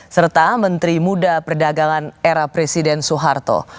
serta menteri muda perdagangan era presiden soeharto